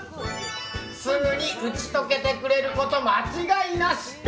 すぐに打ち解けてくれること間違いなし！